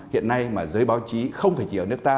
hiện nay mà giới báo chí không phải chỉ ở nước ta